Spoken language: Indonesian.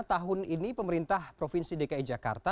tahun ini pemerintah provinsi dki jakarta